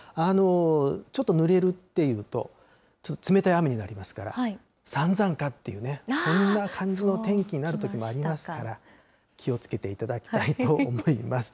ちょっとぬれるっていうと、冷たい雨になりますから、さんざんかっていうね、そんな感じの天気になるときもありますから、気をつけていただきたいと思います。